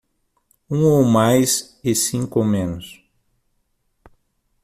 Um ou mais e cinco ou menos